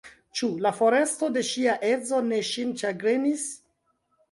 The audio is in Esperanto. Ĉu la foresto de ŝia edzo ne ŝin ĉagrenis?